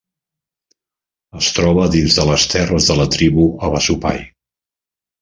Es troba dins de les terres de la tribu havasupai.